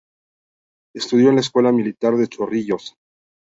Estudió en la Escuela Militar de Chorrillos.